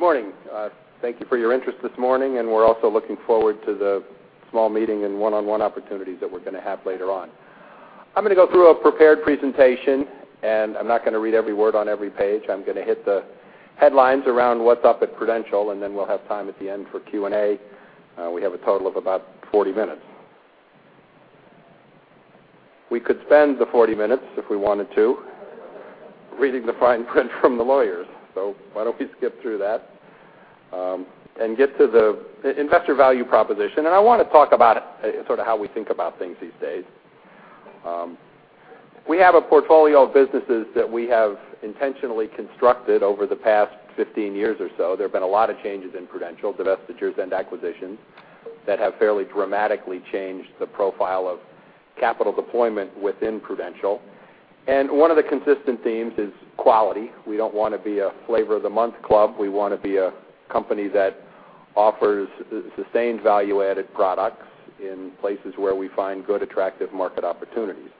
Good morning. Thank you for your interest this morning, and we're also looking forward to the small meeting and one-on-one opportunities that we're going to have later on. I'm going to go through a prepared presentation, and I'm not going to read every word on every page. I'm going to hit the headlines around what's up at Prudential, and then we'll have time at the end for Q&A. We have a total of about 40 minutes. We could spend the 40 minutes if we wanted to reading the fine print from the lawyers. Why don't we skip through that and get to the investor value proposition. I want to talk about how we think about things these days. We have a portfolio of businesses that we have intentionally constructed over the past 15 years or so. There have been a lot of changes in Prudential, divestitures and acquisitions, that have fairly dramatically changed the profile of capital deployment within Prudential. One of the consistent themes is quality. We don't want to be a flavor of the month club. We want to be a company that offers sustained value-added products in places where we find good, attractive market opportunities.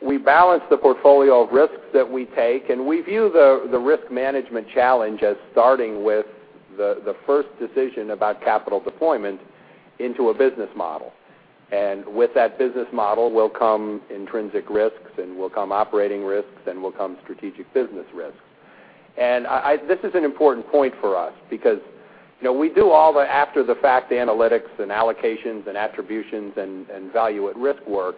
We balance the portfolio of risks that we take, and we view the risk management challenge as starting with the first decision about capital deployment into a business model. With that business model will come intrinsic risks and will come operating risks and will come strategic business risks. This is an important point for us because we do all the after the fact analytics and allocations and attributions and value at risk work.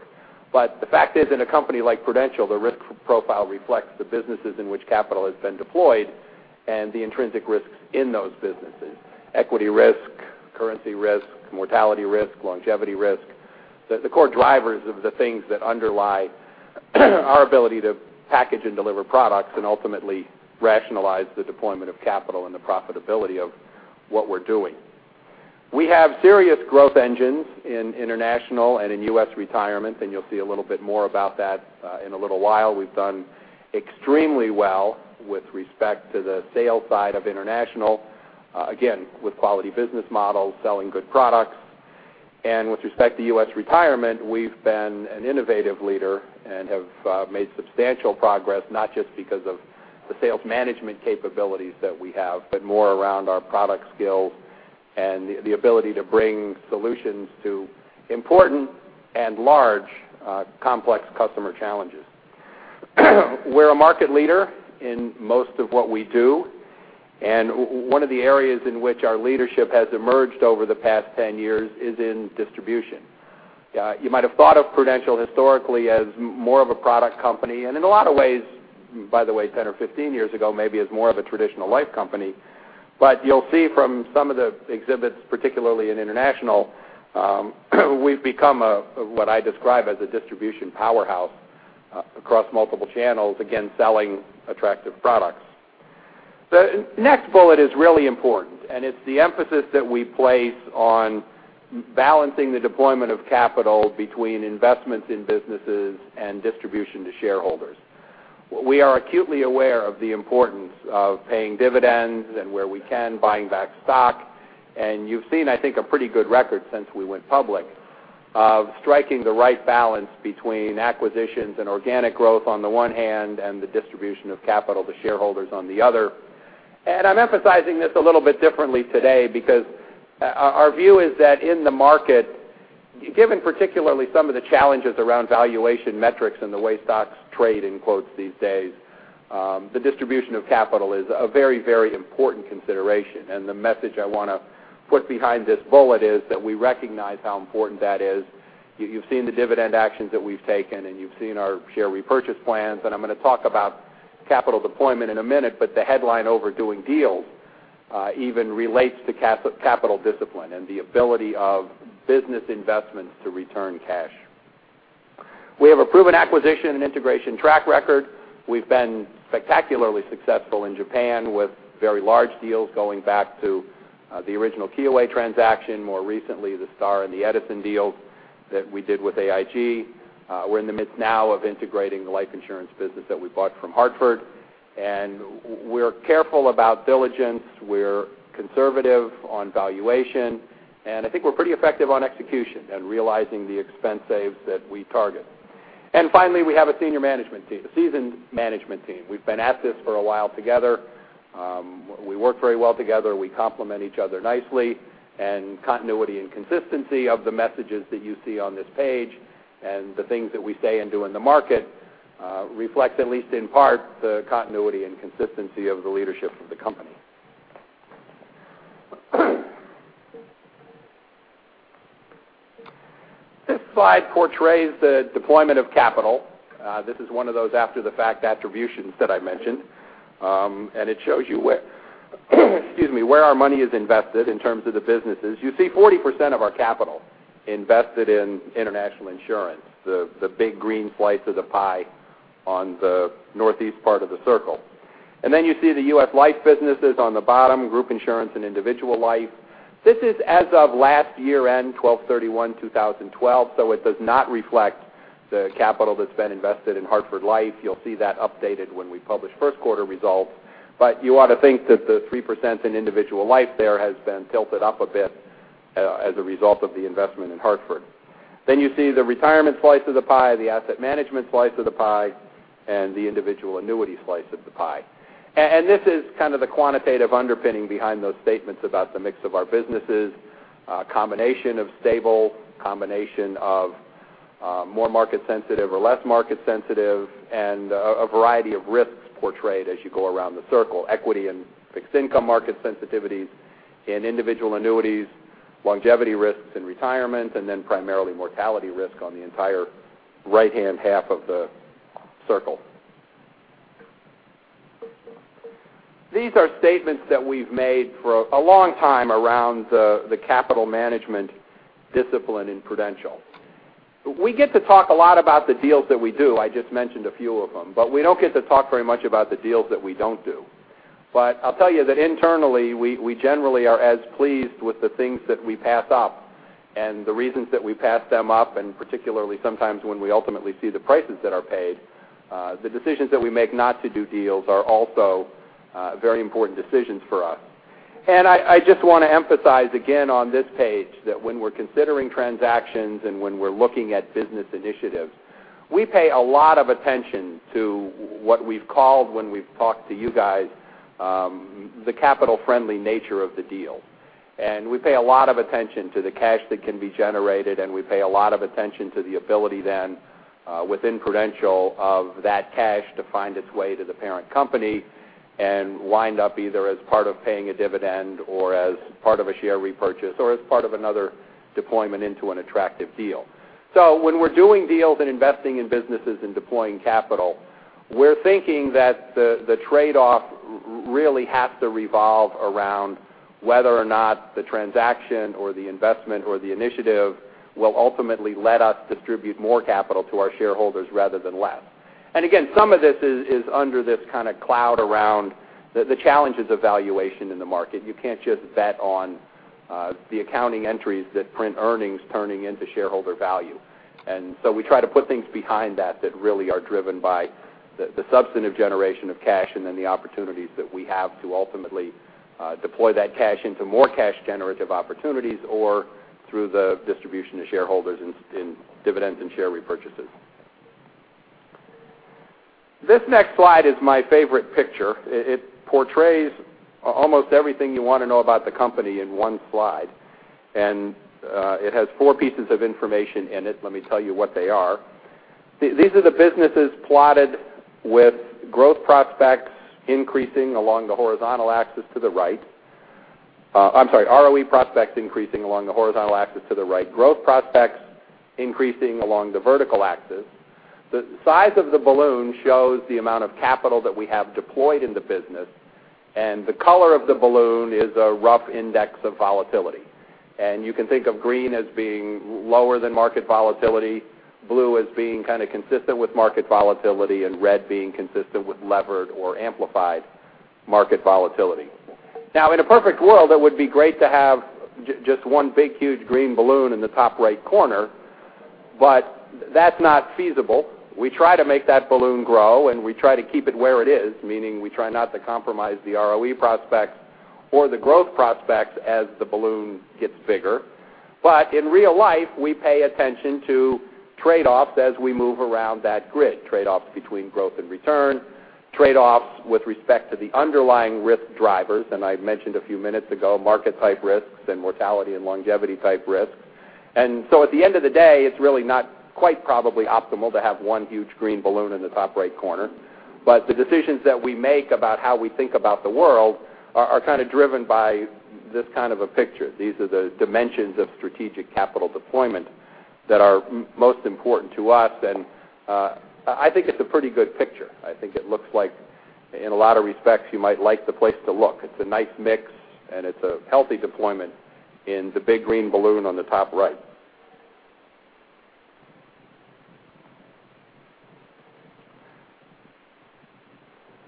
The fact is, in a company like Prudential, the risk profile reflects the businesses in which capital has been deployed and the intrinsic risks in those businesses. Equity risk, currency risk, mortality risk, longevity risk. The core drivers of the things that underlie our ability to package and deliver products and ultimately rationalize the deployment of capital and the profitability of what we're doing. We have serious growth engines in international and in U.S. retirement, and you'll see a little bit more about that in a little while. We've done extremely well with respect to the sales side of international, again, with quality business models, selling good products. With respect to U.S. retirement, we've been an innovative leader and have made substantial progress, not just because of the sales management capabilities that we have, but more around our product skills and the ability to bring solutions to important and large, complex customer challenges. We're a market leader in most of what we do, and one of the areas in which our leadership has emerged over the past 10 years is in distribution. You might have thought of Prudential historically as more of a product company, and in a lot of ways, by the way, 10 or 15 years ago, maybe as more of a traditional life company. You'll see from some of the exhibits, particularly in international, we've become what I describe as a distribution powerhouse across multiple channels, again, selling attractive products. The next bullet is really important, and it's the emphasis that we place on balancing the deployment of capital between investments in businesses and distribution to shareholders. We are acutely aware of the importance of paying dividends and where we can, buying back stock. You've seen, I think, a pretty good record since we went public of striking the right balance between acquisitions and organic growth on the one hand and the distribution of capital to shareholders on the other. I'm emphasizing this a little bit differently today because our view is that in the market, given particularly some of the challenges around valuation metrics and the way stocks trade in quotes these days, the distribution of capital is a very, very important consideration. The message I want to put behind this bullet is that we recognize how important that is. You've seen the dividend actions that we've taken, and you've seen our share repurchase plans, and I'm going to talk about capital deployment in a minute. The headline over doing deals even relates to capital discipline and the ability of business investments to return cash. We have a proven acquisition and integration track record. We've been spectacularly successful in Japan with very large deals going back to the original Kyoei transaction, more recently, the Star and the Edison deal that we did with AIG. We're in the midst now of integrating the life insurance business that we bought from Hartford. We're careful about diligence. We're conservative on valuation, and I think we're pretty effective on execution and realizing the expense saves that we target. Finally, we have a senior management team, a seasoned management team. We've been at this for a while together. We work very well together. We complement each other nicely. Continuity and consistency of the messages that you see on this page and the things that we say and do in the market reflect, at least in part, the continuity and consistency of the leadership of the company. This slide portrays the deployment of capital. This is one of those after-the-fact attributions that I mentioned. It shows you where our money is invested in terms of the businesses. You see 40% of our capital invested in international insurance, the big green slice of the pie on the northeast part of the circle. You see the U.S. life businesses on the bottom, group insurance and individual life. This is as of last year end, 12/31/2012, so it does not reflect the capital that's been invested in Hartford Life. You'll see that updated when we publish first quarter results. You ought to think that the 3% in individual life there has been tilted up a bit as a result of the investment in Hartford. You see the Retirement slice of the pie, the Asset Management slice of the pie, and the Individual Annuity slice of the pie. This is kind of the quantitative underpinning behind those statements about the mix of our businesses, a combination of stable, combination of more market sensitive or less market sensitive, and a variety of risks portrayed as you go around the circle, equity and fixed income market sensitivities in individual annuities, longevity risks in Retirement, and then primarily mortality risk on the entire right-hand half of the circle. These are statements that we've made for a long time around the capital management discipline in Prudential. We get to talk a lot about the deals that we do, I just mentioned a few of them, but we don't get to talk very much about the deals that we don't do. I'll tell you that internally, we generally are as pleased with the things that we pass up and the reasons that we pass them up, and particularly sometimes when we ultimately see the prices that are paid, the decisions that we make not to do deals are also very important decisions for us. I just want to emphasize again on this page that when we're considering transactions and when we're looking at business initiatives, we pay a lot of attention to what we've called when we've talked to you guys, the capital-friendly nature of the deal. We pay a lot of attention to the cash that can be generated, and we pay a lot of attention to the ability then, within Prudential, of that cash to find its way to the parent company and wind up either as part of paying a dividend or as part of a share repurchase or as part of another deployment into an attractive deal. When we're doing deals and investing in businesses and deploying capital, we're thinking that the trade-off really has to revolve around whether or not the transaction or the investment or the initiative will ultimately let us distribute more capital to our shareholders rather than less. Again, some of this is under this kind of cloud around the challenges of valuation in the market. You can't just bet on the accounting entries that print earnings turning into shareholder value. We try to put things behind that really are driven by the substantive generation of cash and then the opportunities that we have to ultimately deploy that cash into more cash-generative opportunities or through the distribution to shareholders in dividends and share repurchases. This next slide is my favorite picture. It portrays almost everything you want to know about the company in one slide, and it has four pieces of information in it. Let me tell you what they are. These are the businesses plotted with growth prospects increasing along the horizontal axis to the right. I'm sorry, ROE prospects increasing along the horizontal axis to the right. Growth prospects increasing along the vertical axis. The size of the balloon shows the amount of capital that we have deployed in the business, and the color of the balloon is a rough index of volatility. You can think of green as being lower than market volatility, blue as being kind of consistent with market volatility, and red being consistent with levered or amplified market volatility. Now, in a perfect world, it would be great to have just one big, huge green balloon in the top right corner, but that's not feasible. We try to make that balloon grow, and we try to keep it where it is, meaning we try not to compromise the ROE prospects or the growth prospects as the balloon gets bigger. In real life, we pay attention to trade-offs as we move around that grid, trade-offs between growth and return, trade-offs with respect to the underlying risk drivers. I mentioned a few minutes ago, market-type risks and mortality and longevity-type risks. At the end of the day, it's really not quite probably optimal to have one huge green balloon in the top right corner. The decisions that we make about how we think about the world are kind of driven by this kind of a picture. These are the dimensions of strategic capital deployment that are most important to us, and I think it's a pretty good picture. I think it looks like in a lot of respects, you might like the place to look. It's a nice mix, and it's a healthy deployment in the big green balloon on the top right.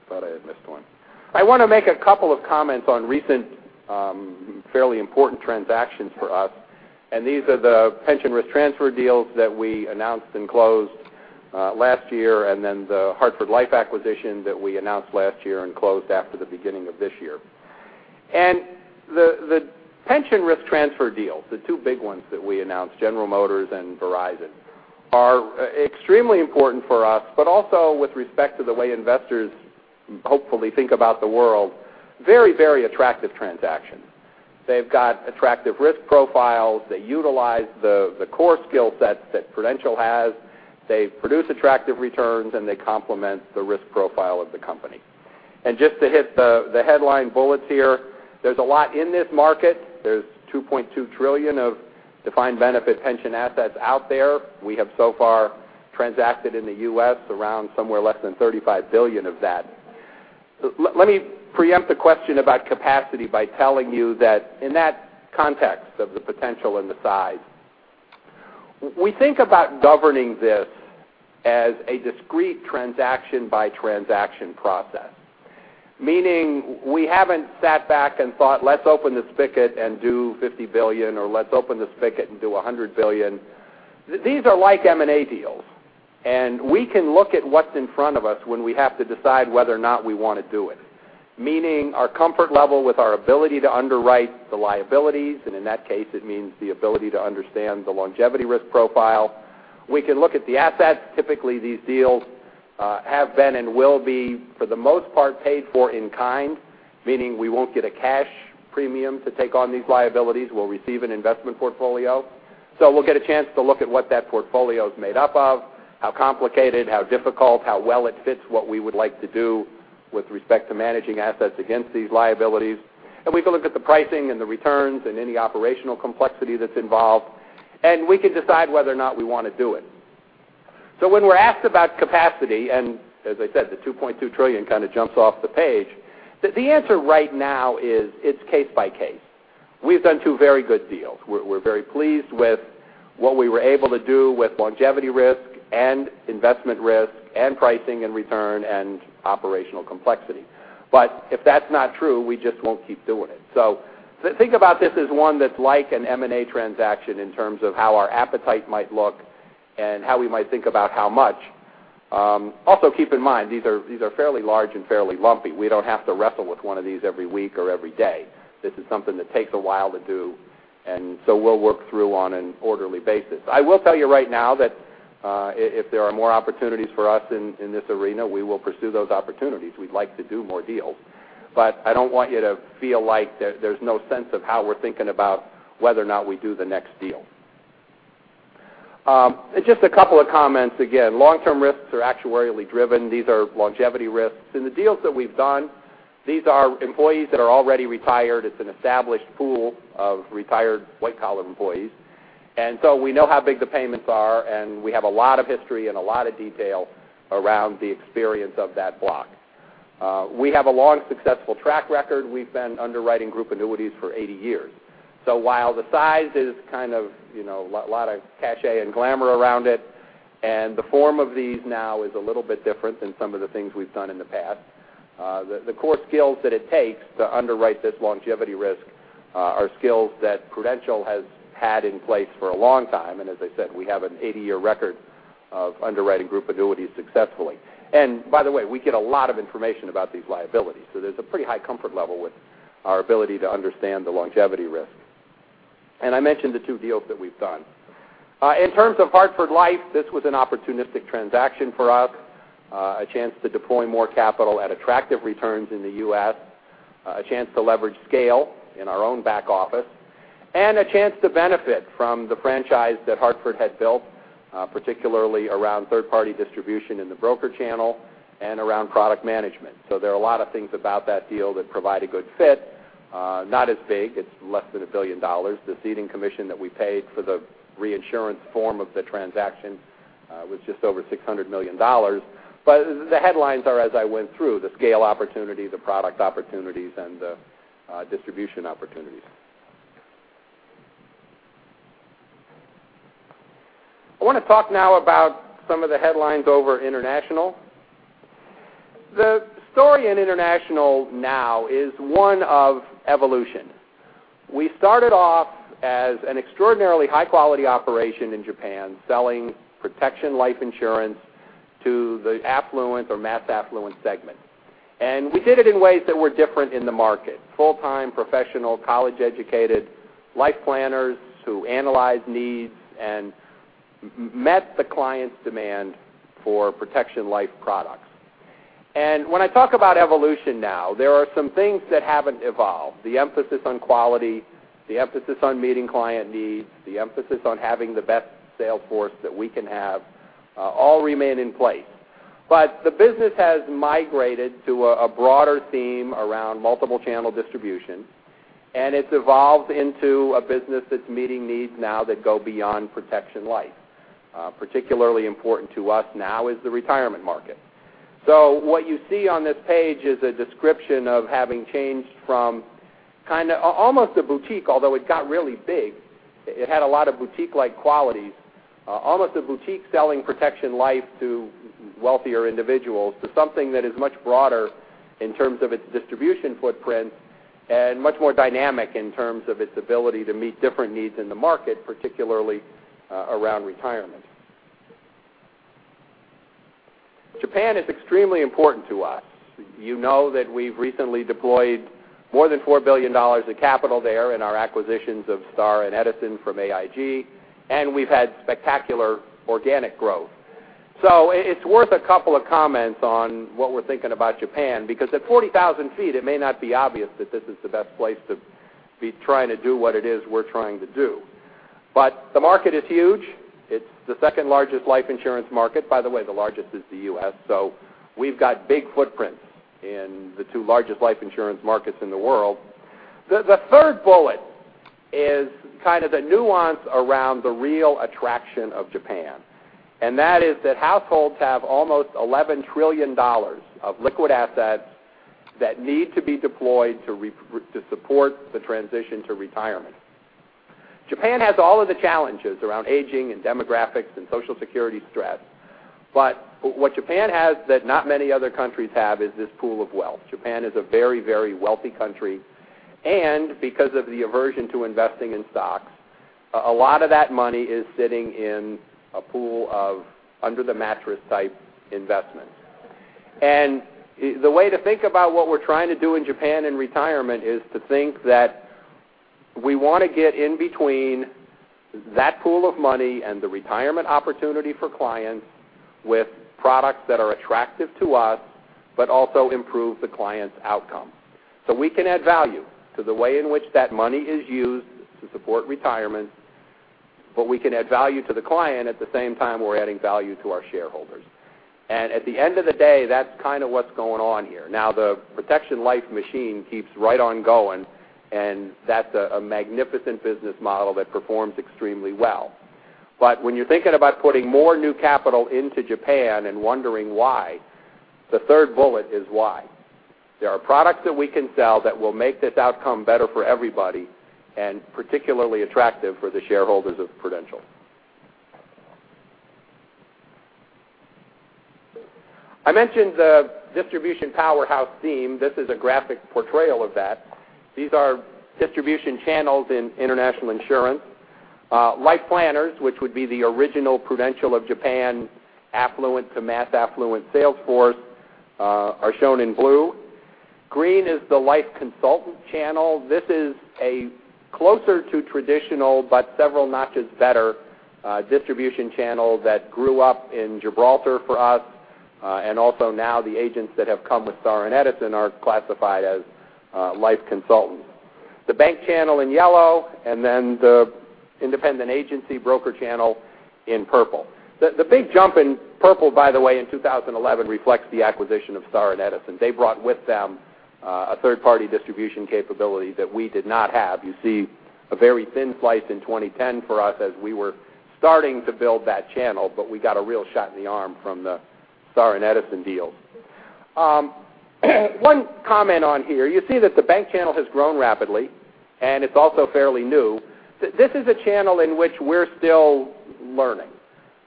Thought I had missed one. I want to make a couple of comments on recent fairly important transactions for us, and these are the pension risk transfer deals that we announced and closed last year, and then The Hartford Life acquisition that we announced last year and closed after the beginning of this year. The pension risk transfer deals, the two big ones that we announced, General Motors and Verizon, are extremely important for us, but also with respect to the way investors hopefully think about the world, very attractive transactions. They've got attractive risk profiles. They utilize the core skill sets that Prudential has. They produce attractive returns, and they complement the risk profile of the company. Just to hit the headline bullets here, there's a lot in this market. There's $2.2 trillion of defined benefit pension assets out there. We have so far transacted in the U.S. around somewhere less than $35 billion of that. Let me preempt the question about capacity by telling you that in that context of the potential and the size, we think about governing this as a discrete transaction by transaction process, meaning we haven't sat back and thought, "Let's open this spigot and do $50 billion," or, "Let's open this spigot and do $100 billion." These are like M&A deals. We can look at what's in front of us when we have to decide whether or not we want to do it, meaning our comfort level with our ability to underwrite the liabilities, and in that case, it means the ability to understand the longevity risk profile. We can look at the assets. Typically, these deals have been and will be, for the most part, paid for in kind, meaning we won't get a cash premium to take on these liabilities. We'll receive an investment portfolio. We'll get a chance to look at what that portfolio is made up of, how complicated, how difficult, how well it fits what we would like to do with respect to managing assets against these liabilities. We can look at the pricing and the returns and any operational complexity that's involved, and we can decide whether or not we want to do it. When we're asked about capacity, and as I said, the $2.2 trillion kind of jumps off the page, the answer right now is it's case by case. We've done two very good deals. We're very pleased with what we were able to do with longevity risk and investment risk and pricing and return and operational complexity. If that's not true, we just won't keep doing it. Think about this as one that's like an M&A transaction in terms of how our appetite might look and how we might think about how much. Keep in mind, these are fairly large and fairly lumpy. We don't have to wrestle with one of these every week or every day. This is something that takes a while to do, we'll work through on an orderly basis. I will tell you right now that if there are more opportunities for us in this arena, we will pursue those opportunities. We'd like to do more deals. I don't want you to feel like there's no sense of how we're thinking about whether or not we do the next deal. Just a couple of comments. Again, long-term risks are actuarially driven. These are longevity risks. In the deals that we've done, these are employees that are already retired. It's an established pool of retired white-collar employees. We know how big the payments are, and we have a lot of history and a lot of detail around the experience of that block. We have a long, successful track record. We've been underwriting group annuities for 80 years. While the size is kind of, a lot of cachet and glamour around it, and the form of these now is a little bit different than some of the things we've done in the past, the core skills that it takes to underwrite this longevity risk are skills that Prudential has had in place for a long time, as I said, we have an 80-year record of underwriting group annuities successfully. By the way, we get a lot of information about these liabilities. There's a pretty high comfort level with our ability to understand the longevity risk. I mentioned the two deals that we've done. In terms of Hartford Life, this was an opportunistic transaction for us, a chance to deploy more capital at attractive returns in the U.S., a chance to leverage scale in our own back office, and a chance to benefit from the franchise that Hartford had built, particularly around third-party distribution in the broker channel and around product management. There are a lot of things about that deal that provide a good fit. Not as big. It's less than $1 billion. The ceding commission that we paid for the reinsurance form of the transaction was just over $600 million. The headlines are, as I went through, the scale opportunity, the product opportunities, and the distribution opportunities. I want to talk now about some of the headlines over international. The story in international now is one of evolution. We started off as an extraordinarily high-quality operation in Japan, selling protection life insurance to the affluent or mass affluent segment. We did it in ways that were different in the market, full-time, professional, college-educated Life Planners who analyzed needs and met the client's demand for protection life products. When I talk about evolution now, there are some things that haven't evolved. The emphasis on quality, the emphasis on meeting client needs, the emphasis on having the best sales force that we can have all remain in place. The business has migrated to a broader theme around multiple channel distribution, and it's evolved into a business that's meeting needs now that go beyond protection life. Particularly important to us now is the retirement market. What you see on this page is a description of having changed from almost a boutique, although it got really big. It had a lot of boutique-like qualities. Almost a boutique selling protection life to wealthier individuals to something that is much broader in terms of its distribution footprint and much more dynamic in terms of its ability to meet different needs in the market, particularly around retirement. Japan is extremely important to us. You know that we've recently deployed more than $4 billion of capital there in our acquisitions of Star and Edison from AIG, and we've had spectacular organic growth. It's worth a couple of comments on what we're thinking about Japan, because at 40,000 feet, it may not be obvious that this is the best place to be trying to do what it is we're trying to do. The market is huge. It's the second largest life insurance market. By the way, the largest is the U.S. We've got big footprints in the two largest life insurance markets in the world. The third bullet is kind of the nuance around the real attraction of Japan, and that is that households have almost $11 trillion of liquid assets that need to be deployed to support the transition to retirement. Japan has all of the challenges around aging and demographics and Social Security stress. What Japan has that not many other countries have is this pool of wealth. Japan is a very, very wealthy country. Because of the aversion to investing in stocks, a lot of that money is sitting in a pool of under the mattress type investment. The way to think about what we're trying to do in Japan in retirement is to think that we want to get in between that pool of money and the retirement opportunity for clients with products that are attractive to us, but also improve the client's outcome. We can add value to the way in which that money is used to support retirement, but we can add value to the client at the same time we're adding value to our shareholders. At the end of the day, that's kind of what's going on here. Now, the protection life machine keeps right on going, and that's a magnificent business model that performs extremely well. When you're thinking about putting more new capital into Japan and wondering why, the third bullet is why. There are products that we can sell that will make this outcome better for everybody, and particularly attractive for the shareholders of Prudential. I mentioned the distribution powerhouse theme. This is a graphic portrayal of that. These are distribution channels in international insurance. Life Planners, which would be the original Prudential of Japan affluent to mass affluent sales force, are shown in blue. Green is the life consultant channel. This is a closer to traditional but several notches better distribution channel that grew up in Gibraltar for us, and also now the agents that have come with Star and Edison are classified as life consultants. The bank channel in yellow, and then the independent agency broker channel in purple. The big jump in purple, by the way, in 2011 reflects the acquisition of Star and Edison. They brought with them a third-party distribution capability that we did not have. You see a very thin slice in 2010 for us as we were starting to build that channel, but we got a real shot in the arm from the Star and Edison deal. One comment on here, you see that the bank channel has grown rapidly, and it's also fairly new. This is a channel in which we're still learning.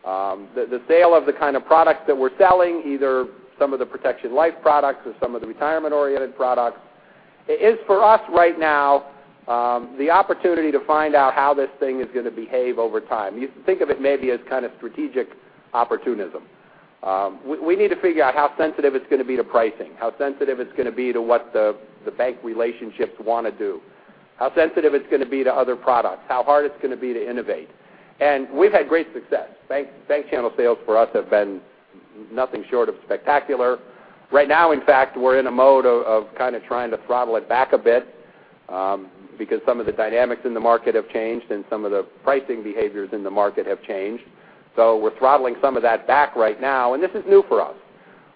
The sale of the kind of products that we're selling, either some of the protection life products or some of the retirement-oriented products, is for us right now the opportunity to find out how this thing is going to behave over time. You think of it maybe as kind of strategic opportunism. We need to figure out how sensitive it's going to be to pricing, how sensitive it's going to be to what the bank relationships want to do, how sensitive it's going to be to other products, how hard it's going to be to innovate. And we've had great success. Bank channel sales for us have been nothing short of spectacular. Right now, in fact, we're in a mode of kind of trying to throttle it back a bit because some of the dynamics in the market have changed and some of the pricing behaviors in the market have changed. So we're throttling some of that back right now, and this is new for us.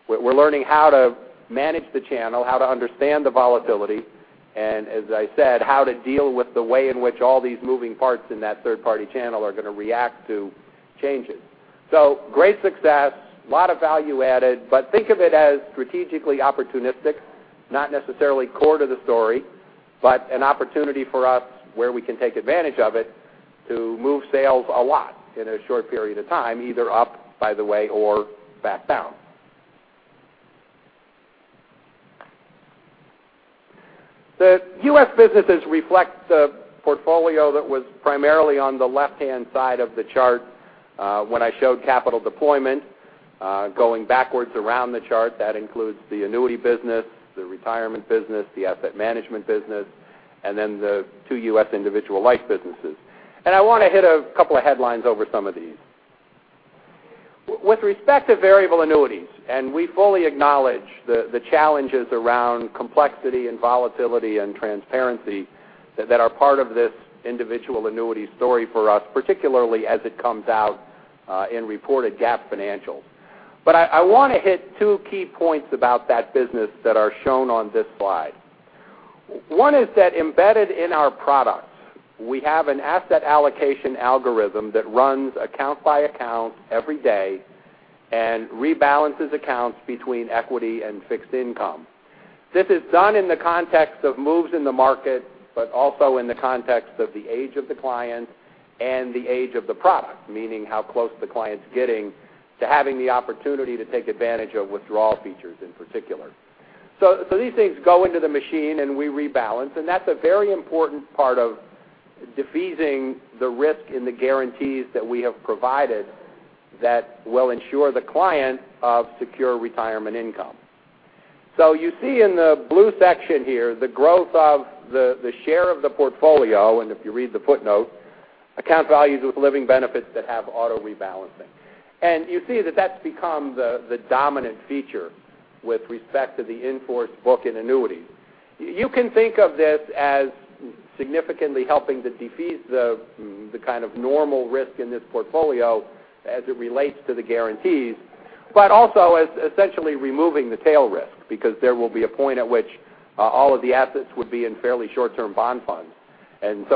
We're learning how to manage the channel, how to understand the volatility, and, as I said, how to deal with the way in which all these moving parts in that third-party channel are going to react to changes. So great success, lot of value added, but think of it as strategically opportunistic, not necessarily core to the story, but an opportunity for us where we can take advantage of it to move sales a lot in a short period of time, either up, by the way, or back down. The U.S. businesses reflect the portfolio that was primarily on the left-hand side of the chart when I showed capital deployment. Going backwards around the chart, that includes the annuity business, the retirement business, the asset management business, and then the two U.S. individual life businesses. I want to hit a couple of headlines over some of these. With respect to variable annuities, we fully acknowledge the challenges around complexity and volatility and transparency that are part of this individual annuity story for us, particularly as it comes out in reported GAAP financials. I want to hit two key points about that business that are shown on this slide. One is that embedded in our products, we have an asset allocation algorithm that runs account by account every day and rebalances accounts between equity and fixed income. This is done in the context of moves in the market, but also in the context of the age of the client and the age of the product, meaning how close the client's getting to having the opportunity to take advantage of withdrawal features in particular. These things go into the machine, we rebalance, and that's a very important part of defeasing the risk in the guarantees that we have provided that will ensure the client of secure retirement income. You see in the blue section here the growth of the share of the portfolio, and if you read the footnote, account values with living benefits that have auto rebalancing. You see that that's become the dominant feature with respect to the in-force book and annuity. You can think of this as significantly helping to defease the kind of normal risk in this portfolio as it relates to the guarantees, but also as essentially removing the tail risk, because there will be a point at which all of the assets would be in fairly short-term bond funds.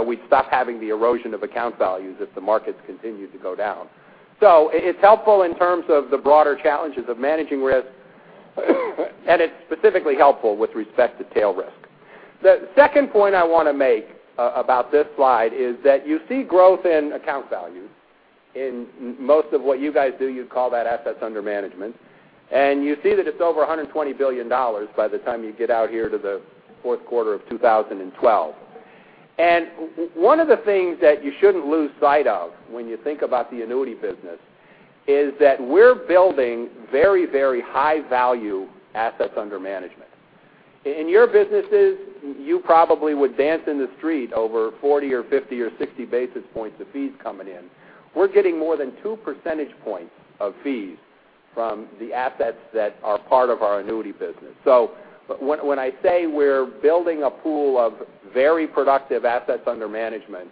We'd stop having the erosion of account values if the markets continue to go down. It's helpful in terms of the broader challenges of managing risk, and it's specifically helpful with respect to tail risk. The second point I want to make about this slide is that you see growth in account values. In most of what you guys do, you call that assets under management. You see that it's over $120 billion by the time you get out here to the fourth quarter of 2012. One of the things that you shouldn't lose sight of when you think about the annuity business is that we're building very high-value assets under management. In your businesses, you probably would dance in the street over 40 or 50 or 60 basis points of fees coming in. We're getting more than two percentage points of fees from the assets that are part of our annuity business. When I say we're building a pool of very productive assets under management,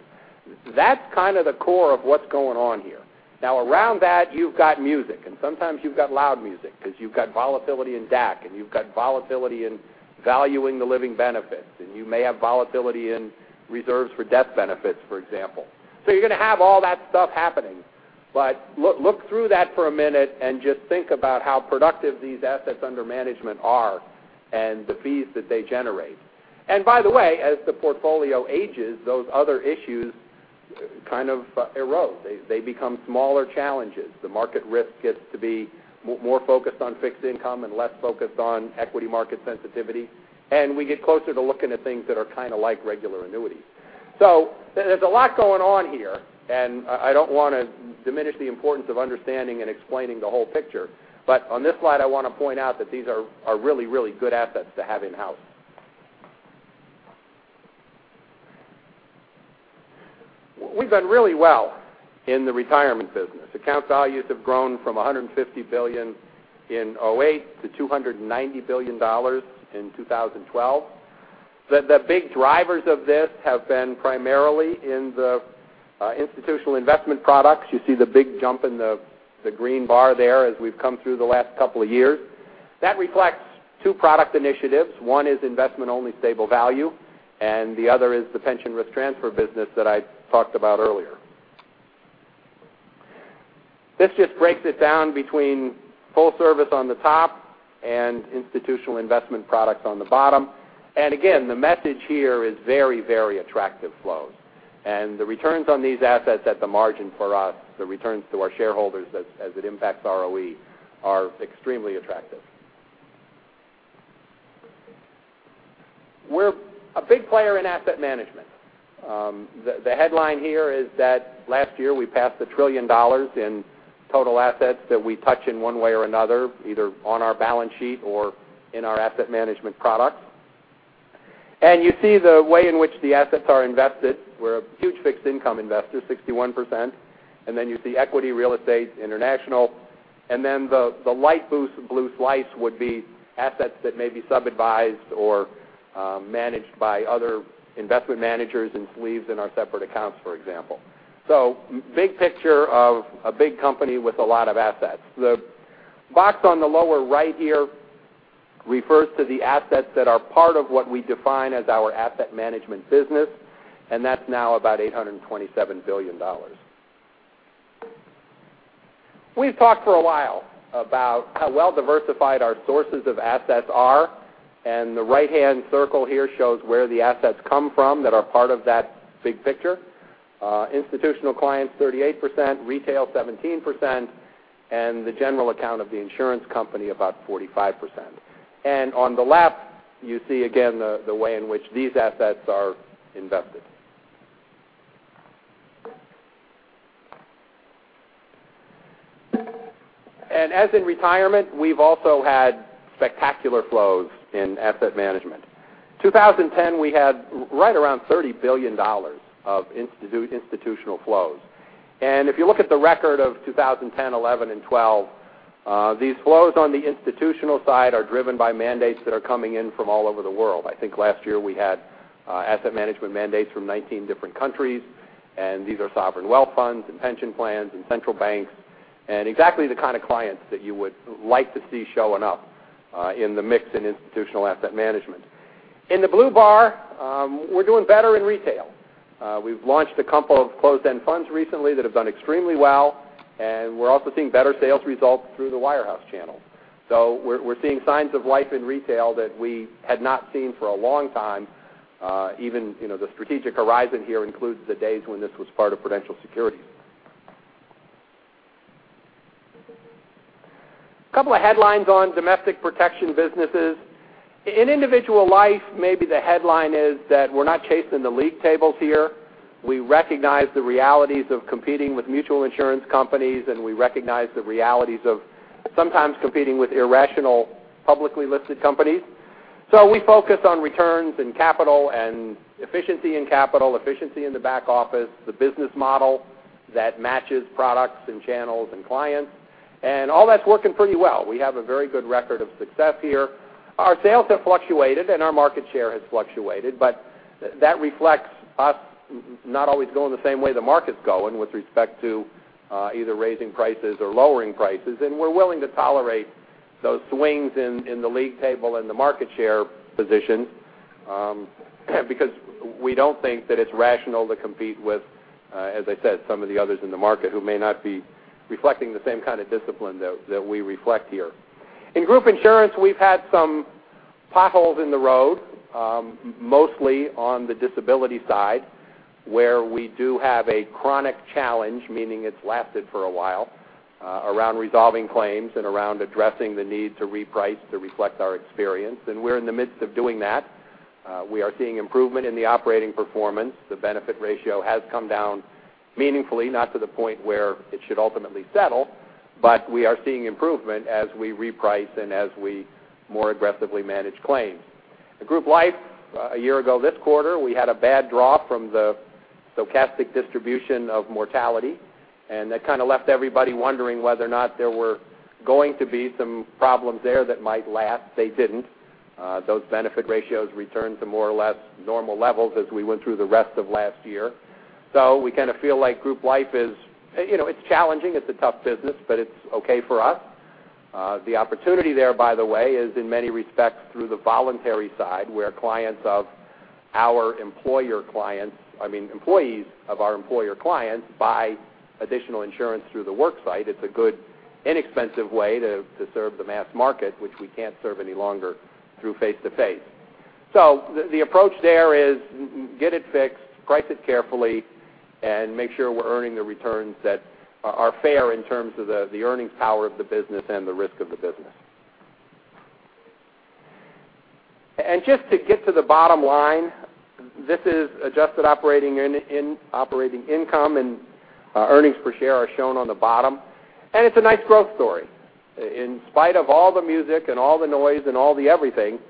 that's kind of the core of what's going on here. Around that, you've got music, and sometimes you've got loud music because you've got volatility in DAC, and you've got volatility in valuing the living benefits, and you may have volatility in reserves for death benefits, for example. You're going to have all that stuff happening. Look through that for a minute and just think about how productive these assets under management are and the fees that they generate. By the way, as the portfolio ages, those other issues kind of erode. They become smaller challenges. The market risk gets to be more focused on fixed income and less focused on equity market sensitivity. We get closer to looking at things that are kind of like regular annuities. There's a lot going on here, and I don't want to diminish the importance of understanding and explaining the whole picture. On this slide, I want to point out that these are really good assets to have in-house. We've done really well in the retirement business. Account values have grown from $150 billion in 2008 to $290 billion in 2012. The big drivers of this have been primarily in the institutional investment products. You see the big jump in the green bar there as we've come through the last couple of years. That reflects two product initiatives. One is investment-only stable value, and the other is the pension risk transfer business that I talked about earlier. This just breaks it down between full service on the top and institutional investment products on the bottom. Again, the message here is very attractive flows. The returns on these assets at the margin for us, the returns to our shareholders as it impacts ROE, are extremely attractive. We're a big player in asset management. The headline here is that last year we passed $1 trillion in total assets that we touch in one way or another, either on our balance sheet or in our asset management products. You see the way in which the assets are invested. We're a huge fixed income investor, 61%, and then you see equity, real estate, international, and then the light blue slice would be assets that may be sub-advised or managed by other investment managers in sleeves in our separate accounts, for example. Big picture of a big company with a lot of assets. The box on the lower right here refers to the assets that are part of what we define as our asset management business, and that's now about $827 billion. We've talked for a while about how well-diversified our sources of assets are, and the right-hand circle here shows where the assets come from that are part of that big picture. Institutional clients, 38%, retail, 17%, and the general account of the insurance company, about 45%. On the left, you see again the way in which these assets are invested. As in retirement, we've also had spectacular flows in asset management. 2010, we had right around $30 billion of institutional flows. If you look at the record of 2010, 2011, and 2012, these flows on the institutional side are driven by mandates that are coming in from all over the world. I think last year we had asset management mandates from 19 different countries, and these are sovereign wealth funds and pension plans and central banks, and exactly the kind of clients that you would like to see showing up in the mix in institutional asset management. In the blue bar, we're doing better in retail. We've launched a couple of closed-end funds recently that have done extremely well, and we're also seeing better sales results through the wirehouse channels. We're seeing signs of life in retail that we had not seen for a long time, even the strategic horizon here includes the days when this was part of Prudential Securities. A couple of headlines on domestic protection businesses. In individual life, maybe the headline is that we're not chasing the league tables here. We recognize the realities of competing with mutual insurance companies. We recognize the realities of sometimes competing with irrational, publicly listed companies. We focus on returns and capital and efficiency in capital, efficiency in the back office, the business model that matches products and channels and clients. All that's working pretty well. We have a very good record of success here. Our sales have fluctuated and our market share has fluctuated, but that reflects us not always going the same way the market's going with respect to either raising prices or lowering prices. We're willing to tolerate those swings in the league table and the market share position because we don't think that it's rational to compete with, as I said, some of the others in the market who may not be reflecting the same kind of discipline that we reflect here. In group insurance, we've had some potholes in the road, mostly on the disability side, where we do have a chronic challenge, meaning it's lasted for a while, around resolving claims and around addressing the need to reprice to reflect our experience. We're in the midst of doing that. We are seeing improvement in the operating performance. The benefit ratio has come down meaningfully, not to the point where it should ultimately settle, but we are seeing improvement as we reprice and as we more aggressively manage claims. In Group Life, a year ago this quarter, we had a bad draw from the stochastic distribution of mortality. That kind of left everybody wondering whether or not there were going to be some problems there that might last. They didn't. Those benefit ratios returned to more or less normal levels as we went through the rest of last year. We kind of feel like Group Life is challenging. It's a tough business, but it's okay for us. The opportunity there, by the way, is in many respects through the voluntary side, where clients of our employer clients, I mean, employees of our employer clients, buy additional insurance through the worksite. It's a good, inexpensive way to serve the mass market, which we can't serve any longer through face-to-face. The approach there is get it fixed, price it carefully, and make sure we're earning the returns that are fair in terms of the earnings power of the business and the risk of the business. Just to get to the bottom line, this is adjusted operating income, and earnings per share are shown on the bottom. It's a nice growth story. In spite of all the music and all the noise and all the everything,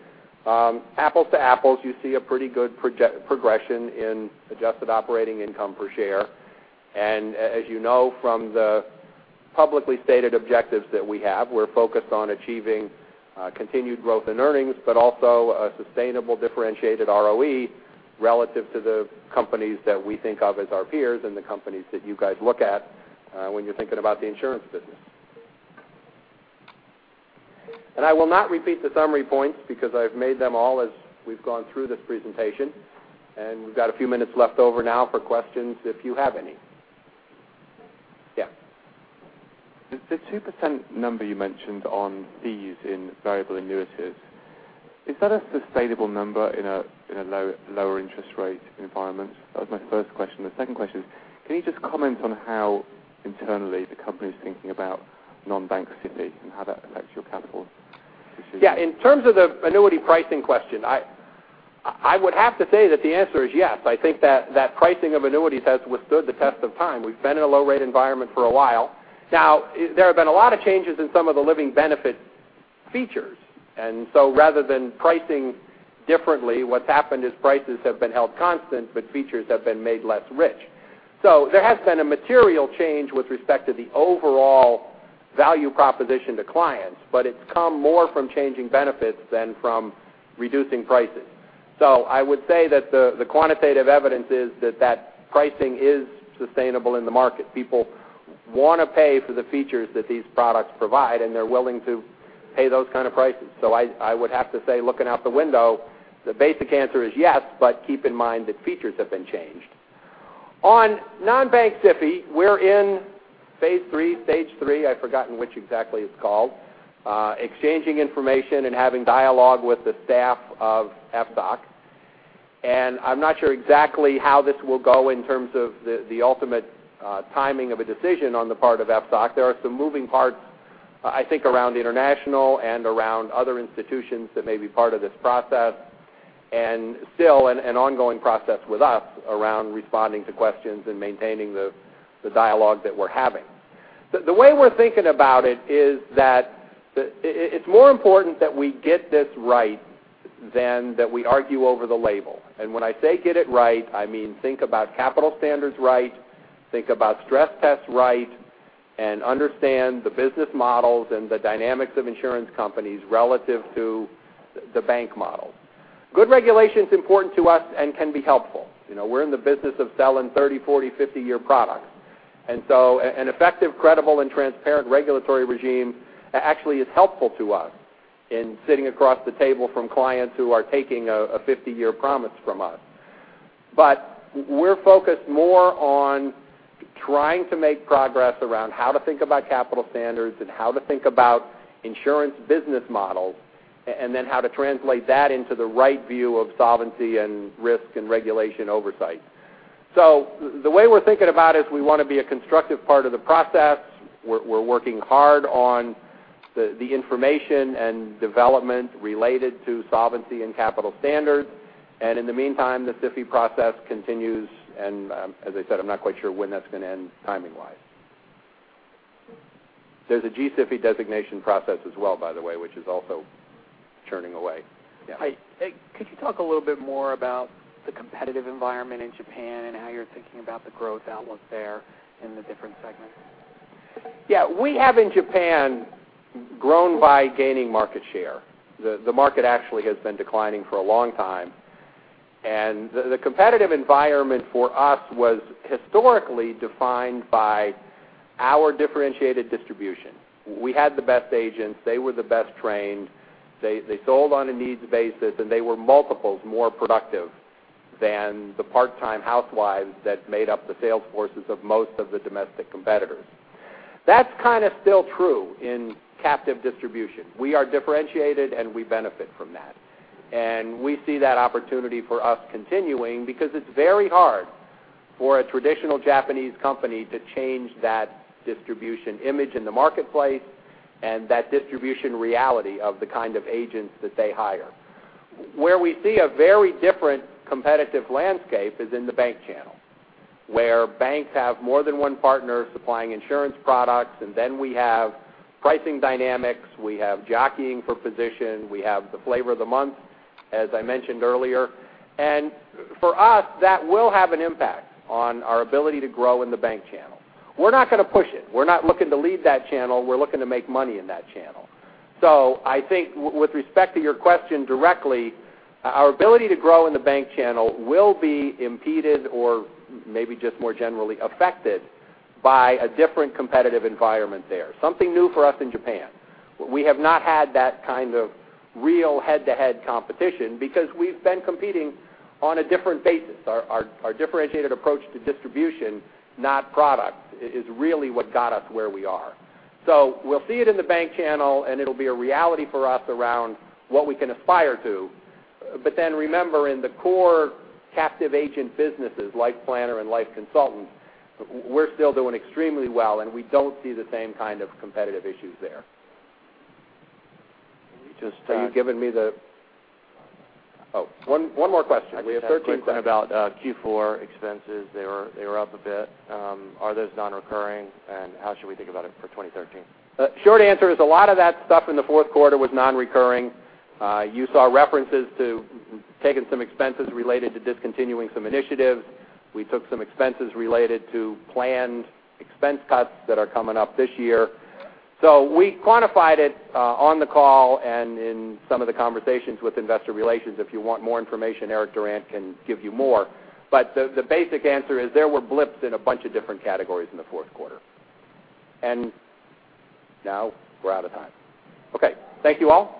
apples to apples, you see a pretty good progression in adjusted operating income per share. As you know from the publicly stated objectives that we have, we're focused on achieving continued growth in earnings, also a sustainable, differentiated ROE relative to the companies that we think of as our peers and the companies that you guys look at when you're thinking about the insurance business. I will not repeat the summary points because I've made them all as we've gone through this presentation. We've got a few minutes left over now for questions if you have any. Yeah. The 2% number you mentioned on fees in variable annuities, is that a sustainable number in a lower interest rate environment? That was my first question. The second question is, can you just comment on how internally the company is thinking about non-bank SIFI and how that affects your capital? Yeah. In terms of the annuity pricing question, I would have to say that the answer is yes. I think that pricing of annuities has withstood the test of time. We've been in a low rate environment for a while. Now, there have been a lot of changes in some of the living benefit features. Rather than pricing differently, what's happened is prices have been held constant, features have been made less rich. There has been a material change with respect to the overall value proposition to clients, it's come more from changing benefits than from reducing prices. I would say that the quantitative evidence is that that pricing is sustainable in the market. People want to pay for the features that these products provide, and they're willing to pay those kind of prices. I would have to say, looking out the window, the basic answer is yes, keep in mind that features have been changed. On non-bank SIFI, we're in phase 3, stage 3, I've forgotten which exactly it's called, exchanging information and having dialogue with the staff of FSOC. I'm not sure exactly how this will go in terms of the ultimate timing of a decision on the part of FSOC. There are some moving parts, I think, around international and around other institutions that may be part of this process, and still an ongoing process with us around responding to questions and maintaining the dialogue that we're having. The way we're thinking about it is that it's more important that we get this right than that we argue over the label. When I say get it right, I mean think about capital standards right, think about stress test right, and understand the business models and the dynamics of insurance companies relative to the bank model. Good regulation is important to us and can be helpful. We're in the business of selling 30, 40, 50-year products. An effective, credible, and transparent regulatory regime actually is helpful to us in sitting across the table from clients who are taking a 50-year promise from us. We're focused more on trying to make progress around how to think about capital standards and how to think about insurance business models, and then how to translate that into the right view of solvency and risk and regulation oversight. The way we're thinking about it is we want to be a constructive part of the process. We're working hard on the information and development related to solvency and capital standards. In the meantime, the SIFI process continues. As I said, I'm not quite sure when that's going to end timing-wise. There's a G-SIFI designation process as well, by the way, which is also churning away. Yeah. Could you talk a little bit more about the competitive environment in Japan and how you're thinking about the growth outlook there in the different segments? Yeah. We have in Japan grown by gaining market share. The market actually has been declining for a long time. The competitive environment for us was historically defined by our differentiated distribution. We had the best agents. They were the best trained. They sold on a needs basis, and they were multiples more productive than the part-time housewives that made up the sales forces of most of the domestic competitors. That's kind of still true in captive distribution. We are differentiated, and we benefit from that. We see that opportunity for us continuing because it's very hard for a traditional Japanese company to change that distribution image in the marketplace and that distribution reality of the kind of agents that they hire. Where we see a very different competitive landscape is in the bank channel, where banks have more than one partner supplying insurance products, then we have pricing dynamics, we have jockeying for position, we have the flavor of the month, as I mentioned earlier. For us, that will have an impact on our ability to grow in the bank channel. We're not going to push it. We're not looking to leave that channel. We're looking to make money in that channel. I think with respect to your question directly, our ability to grow in the bank channel will be impeded or maybe just more generally affected by a different competitive environment there. Something new for us in Japan. We have not had that kind of real head-to-head competition because we've been competing on a different basis. Our differentiated approach to distribution, not product, is really what got us where we are. Remember, in the core captive agent businesses, Life Planner and life consultant, we're still doing extremely well, and we don't see the same kind of competitive issues there. Let me just- You've given me the Oh, one more question. We have 30 seconds. I have a quick one about Q4 expenses. They were up a bit. Are those non-recurring, and how should we think about it for 2013? Short answer is a lot of that stuff in the fourth quarter was non-recurring. You saw references to taking some expenses related to discontinuing some initiatives. We took some expenses related to planned expense cuts that are coming up this year. We quantified it on the call and in some of the conversations with investor relations. If you want more information, Eric Durant can give you more. The basic answer is there were blips in a bunch of different categories in the fourth quarter. Now we're out of time. Okay. Thank you all.